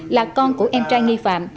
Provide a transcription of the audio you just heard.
là con của em trai nghi phạm